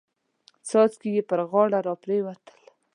څاڅکي يې پر غاړه را پريوتل.